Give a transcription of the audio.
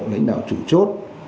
lãnh đạo chủ chốt